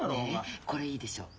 ねえこれいいでしょう？